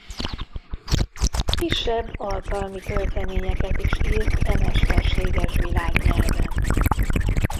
Kisebb alkalmi költeményeket is írt e mesterséges világnyelven.